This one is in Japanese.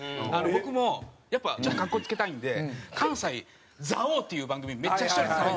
僕もやっぱちょっと格好付けたいんで関西『座王』っていう番組めっちゃ視聴率高いんですよ。